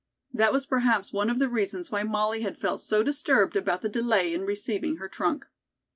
That was perhaps one of the reasons why Molly had felt so disturbed about the delay in receiving her trunk.